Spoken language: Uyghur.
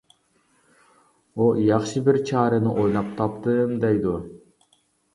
ئۇ ياخشى بىر چارىنى ئويلاپ تاپتىم دەيدۇ.